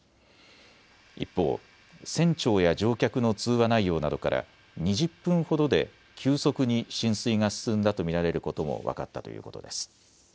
一方、船長や乗客の通話内容などから２０分ほどで急速に浸水が進んだと見られることも分かったということです。